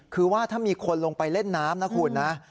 คือว่าถ้ามีคนลงไปเล่นน้ำนะคุณนะ